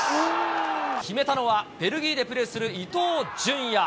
決めたのはベルギーでプレーする伊東純也。